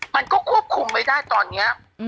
มันก็ควบคุมไม่ได้ตอนนี้